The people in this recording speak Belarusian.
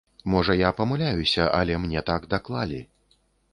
Можа я памыляюся, але мне так даклалі.